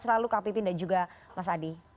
selalu kak pipin dan juga mas adi